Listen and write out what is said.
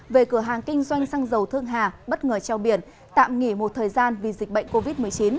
về cửa hàng kinh doanh xăng dầu thương hà bất ngờ treo biển tạm nghỉ một thời gian vì dịch bệnh covid một mươi chín